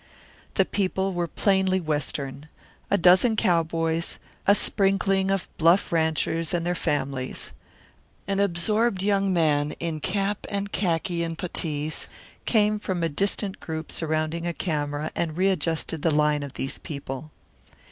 The people were plainly Western: a dozen cowboys, a sprinkling of bluff ranchers and their families. An absorbed young man in cap and khaki and puttees came from a distant group surrounding a camera and readjusted the line of these people.